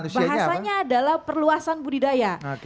bahasanya adalah perluasan budidaya